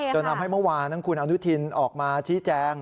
จนทำให้เมื่อวานทั้งคุณอนุทินออกมาชี้แจง